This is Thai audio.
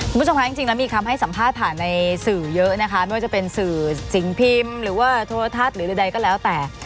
คุณผู้ชมคะจริงแล้วมีคำให้สัมภาษณ์ผ่านในสื่อเยอะนะคะไม่ว่าจะเป็นสื่อสิ่งพิมพ์หรือว่าโทรทัศน์หรือใดก็แล้วแต่